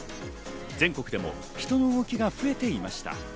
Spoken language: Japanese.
全国でも人の動きが増えていました。